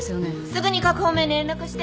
すぐに各方面に連絡して。